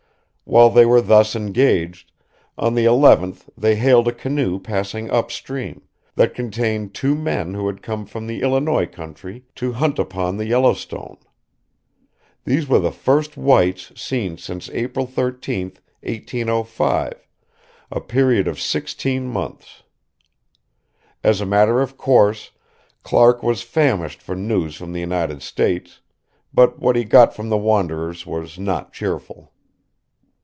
While they were thus engaged, on the 11th they hailed a canoe passing up stream, that contained two men who had come from the Illinois country to hunt upon the Yellowstone. These were the first whites seen since April 13, 1805, a period of sixteen months. As a matter of course Clark was famished for news from the United States; but what he got from the wanderers was not cheerful.